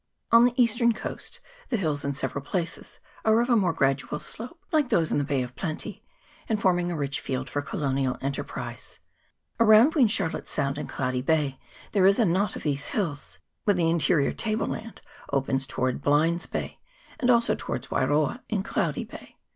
On the eastern coast the hills in several places are of a more gradual slope, like those in the Bay of Plenty, and forming a rich field for colonial enterprise. Around Queen Charlotte's Sound and Cloudy Bay there is a knot of these hills, but the interior table land opens towards Blind Bay, and also towards Wairoa in Cloudy Bay.